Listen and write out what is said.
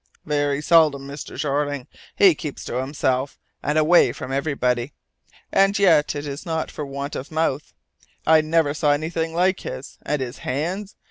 "Very seldom, Mr. Jeorling. He keeps himself to himself, and away from everybody. And yet, it is not for want of mouth. I never saw anything like his! And his hands!